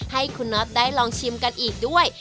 ให้คุณน็อตได้ลองชิมกันอีกด้วย